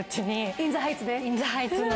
『イン・ザ・ハイツ』の。